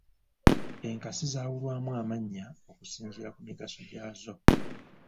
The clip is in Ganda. Enkasi zaawulwamu amannya okusinziira ku migaso gyazo.